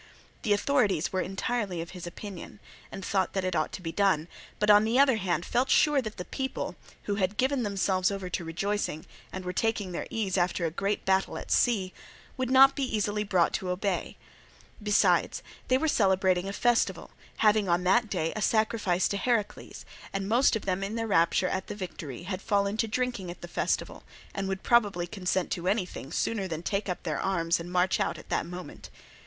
The authorities were entirely of his opinion, and thought that it ought to be done, but on the other hand felt sure that the people, who had given themselves over to rejoicing, and were taking their ease after a great battle at sea, would not be easily brought to obey; besides, they were celebrating a festival, having on that day a sacrifice to Heracles, and most of them in their rapture at the victory had fallen to drinking at the festival, and would probably consent to anything sooner than to take up their arms and march out at that moment.